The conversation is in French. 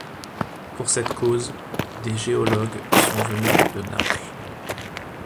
Pour cette cause, des géologues sont venus de Naples.